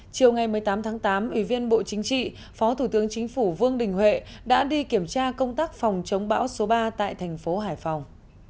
chiều ngày một mươi tám tháng tám ủy viên bộ chính trị phó thủ tướng chính phủ vương đình huệ đã đi kiểm tra công tác phòng chống bão số ba tại thành phố hải phòng